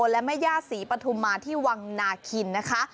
และแม่ย่าศรีปฐุมาที่วังนาคินนะคะ